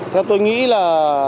theo tôi nghĩ là